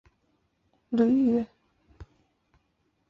布利耶斯布吕。